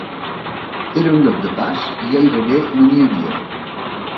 Era un lloc de pas i gairebé no n’hi havia.